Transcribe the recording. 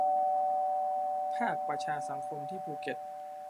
ภาคประชาสังคมที่ภูเก็ต